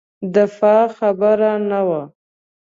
دفاع خبره نه ده.